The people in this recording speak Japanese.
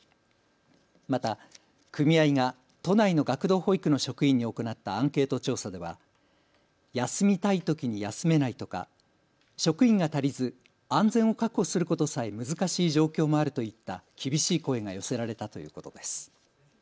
また、組合が都内の学童保育の職員に行ったアンケート調査では休みたいときに休めないとか職員が足りず安全を確保することさえ難しい状況もあるといった厳しい声が寄せられたということです。